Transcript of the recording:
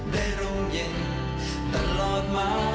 ร่มเย็นตลอดมา